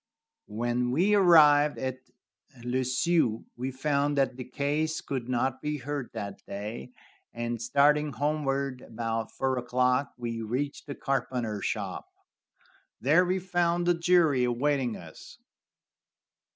When we arrived at Le Sueur we found that the case could not be heard that day, and, starting homeward, about four o'clock we reached the carpenter shop. There we found the jury awaiting us.